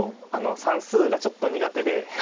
算数がちょっと苦手で。